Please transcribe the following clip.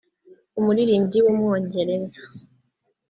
umuririmbyi w’umwongereza